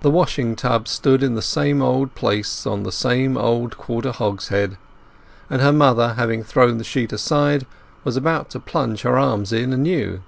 The washing tub stood in the same old place on the same old quarter hogshead, and her mother, having thrown the sheet aside, was about to plunge her arms in anew.